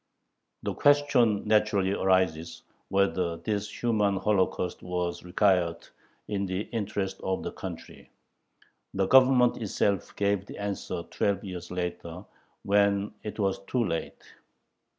The question naturally arises, whether this human holocaust was required in the interest of the country. The Government itself gave the answer twelve years later when it was too late.